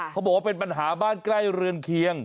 เขาบอกว่าเป็นปัญหาบ้านใกล้เรือนเคียง